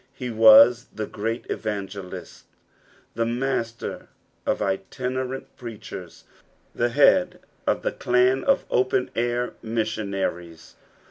He was the gieat evangelist ; the muster of itinemnl preachen ; the head of the clan of open air missionaries.